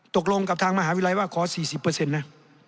ตกลงกับทางมหาวิทยาลัยว่าขอ๔๐นะ